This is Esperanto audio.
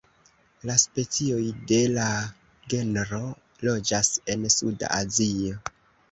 La specioj de la genro loĝas en Suda Azio.